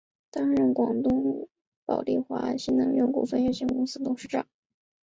担任广东宝丽华新能源股份有限公司董事长。